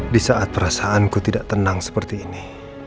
di saat perasaanku tidak tenang seperti ini